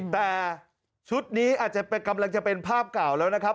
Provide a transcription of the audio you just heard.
แต่ชุดนี้อาจจะเป็นภาพกล่าวแล้วนะครับ